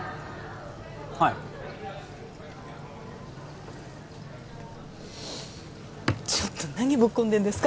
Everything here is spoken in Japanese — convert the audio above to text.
はいちょっと何ぶっ込んでんですか？